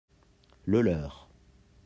Le leur.